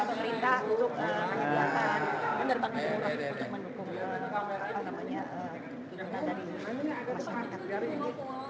banyak dari masyarakat